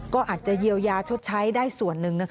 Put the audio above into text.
ก็อาจจะเยียวยาชดใช้ได้ส่วนหนึ่ง